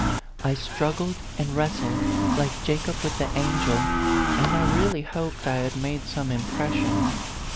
I strug gled and wrestled, like Jacob with the angel, and I really hoped I had made some im pression.